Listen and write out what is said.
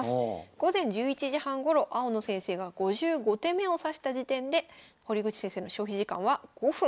午前１１時半ごろ青野先生が５５手目を指した時点で堀口先生の消費時間は５分。